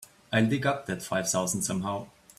I'll dig up that five thousand somehow.